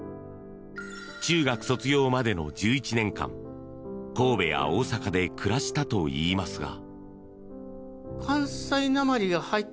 中学卒業までの１１年間神戸や大阪で暮らしたといいますが。